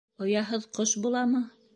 Ояһыҙ ҡош буламы?